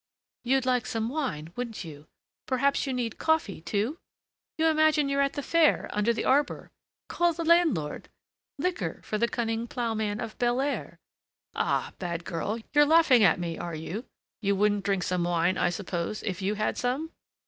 "You'd like some wine, wouldn't you? Perhaps you need coffee, too? you imagine you're at the fair under the arbor! Call the landlord: liquor for the cunning ploughman of Belair!" "Ah! bad girl, you're laughing at me, are you? You wouldn't drink some wine, I suppose, if you had some?"